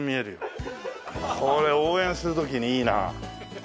これ応援する時にいいな。